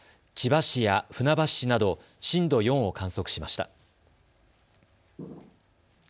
千葉市や船橋市など震度４を観測しました。